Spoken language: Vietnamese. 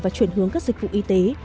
và chuyển hướng các dịch vụ y tế